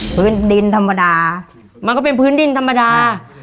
พื้นดินธรรมดามันก็เป็นพื้นดินธรรมดา